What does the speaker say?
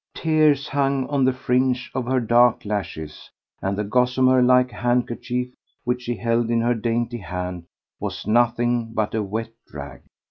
Tears hung on the fringe of her dark lashes, and the gossamer like handkerchief which she held in her dainty hand was nothing but a wet rag.